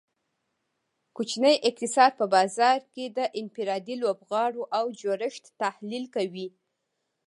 کوچنی اقتصاد په بازار کې د انفرادي لوبغاړو او جوړښت تحلیل کوي